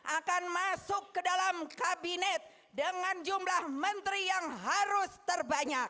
akan masuk ke dalam kabinet dengan jumlah menteri yang harus terbanyak